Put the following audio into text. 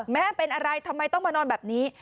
แม่เป็นอะไรทำไมต้องมานอนแบบนี้